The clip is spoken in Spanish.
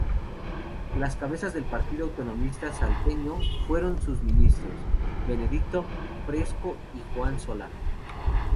Las cabezas del Partido Autonomista salteño fueron sus ministros: Benedicto Fresco y Juan Solá.